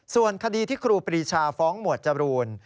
ส่วนคดีที่ครูปรีชาฟ้องหมวดจรูน